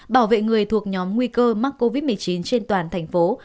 bảo vệ người thuộc nhóm nguy cơ mắc covid một mươi chín trên toàn thành phố